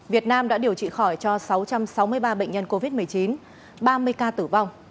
việt nam đã điều trị khỏi cho sáu trăm sáu mươi ba bệnh nhân covid một mươi chín ba mươi ca tử vong